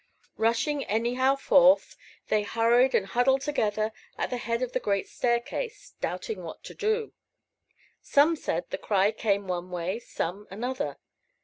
Rushing anyhow forth, they hurried and huddled together at the head of the great staircase, doubting what to do. Some said the cry came one way, some another.